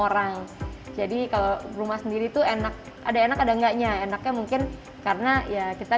orang jadi kalau rumah sendiri tuh enak ada enak ada enggaknya enaknya mungkin karena ya kita